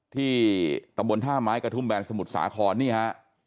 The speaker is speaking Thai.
ที่ตำบลท่าไม้กระทุ่มแบนสมุทรสาครนี่ฮะ